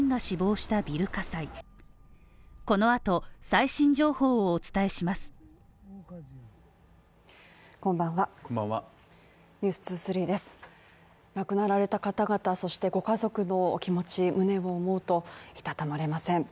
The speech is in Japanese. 亡くなられた方々そしてご家族のお気持ちを思うといたたまれません。